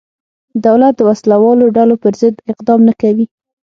دولت د وسله والو ډلو پرضد اقدام نه کوي.